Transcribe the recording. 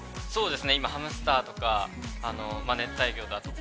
ハムスターとか熱帯魚だとか。